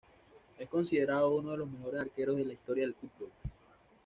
Es considerado uno de los mejores arqueros de la historia del fútbol.